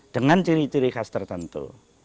dengan ciri ciri khas tertentu